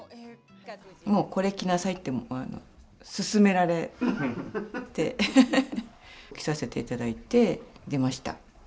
もうこれ着なさいって勧められて着させていただいて出ました。